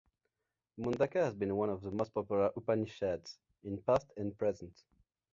Mundaka has been one of the most popular Upanishads, in past and present.